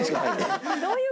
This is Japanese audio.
どういう事？